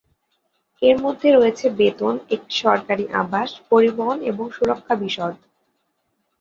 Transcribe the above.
এর মধ্যে রয়েছে বেতন, একটি সরকারী আবাস, পরিবহন এবং সুরক্ষা বিশদ।